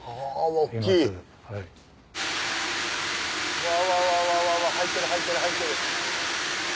うわわ入ってる入ってる入ってる。